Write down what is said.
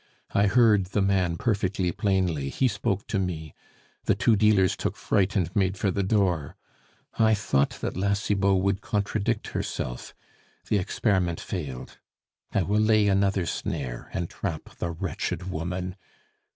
I heard the man perfectly plainly; he spoke to me.... The two dealers took fright and made for the door.... I thought that La Cibot would contradict herself the experiment failed.... I will lay another snare, and trap the wretched woman....